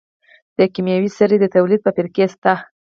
د کیمیاوي سرې د تولید فابریکه شته.